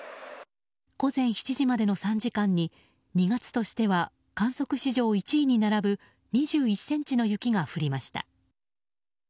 午前７時までの３時間に２月としては観測史上１位に並ぶ２１ｃｍの雪が降りました。